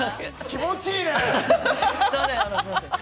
気持ちいいね！